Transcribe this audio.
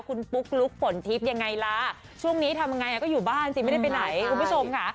คุณปุ๊กลุ๊กฝนทิพย์ยังไงล่ะช่วงนี้ทำยังไงก็อยู่บ้านสิไม่ได้ไปไหนคุณผู้ชมค่ะ